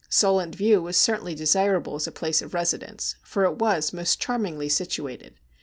Solent View was certainly desirable as a place of residence, for it was most charmingly situated.